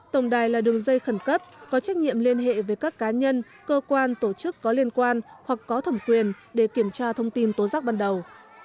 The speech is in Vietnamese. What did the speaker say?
tổng đài là đường dây khẩn cấp có trách nhiệm liên hệ với các cá nhân cơ quan tổ chức có liên quan hoặc có thẩm quyền để kiểm tra thông tin tố giác ban đầu